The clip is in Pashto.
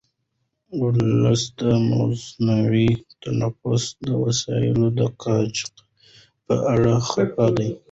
ولس د مصنوعي تنفس د وسایلو د قاچاق په اړه خفه دی.